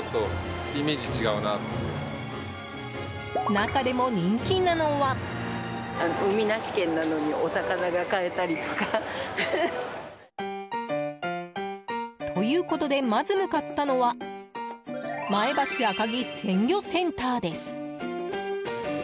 中でも人気なのは。ということでまず向かったのは前橋赤城鮮魚センターです。